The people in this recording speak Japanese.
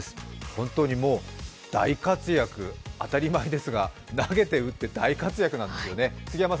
本当にもう大活躍、当たり前ですが、投げて打って大活躍なんですよね。